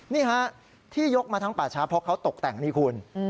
นี่ฮะที่ยกมาทั้งป่าช้าเพราะเขาตกแต่งนี่คุณ